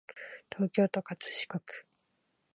東京都葛飾区